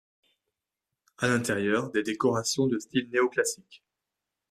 À l'intérieur, des décorations de style néoclassique.